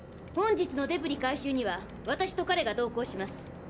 本日のデブリ回収には私と彼が同行します。